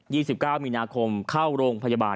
วันที่๒๙มีนาคมเข้าโรงพยาบาล